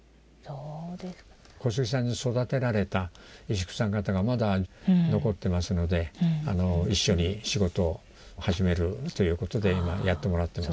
小杉さんに育てられた石工さん方がまだ残ってますので一緒に仕事を始めるということで今やってもらってます。